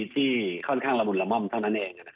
ที่ค่อนข้างละมุนละม่อมเท่านั้นเอง